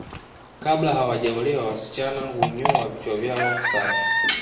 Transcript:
Kabla hawajaolewa wasichana hunyoa vichwa vyao safi